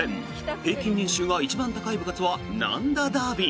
平均年収が一番高い部活はなんだダービー。